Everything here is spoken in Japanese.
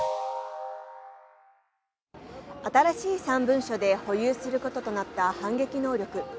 新しい３文書で保有することとなった反撃能力。